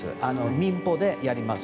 民放でやります。